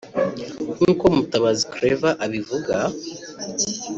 nk’uko Mutabazi Claver abivuga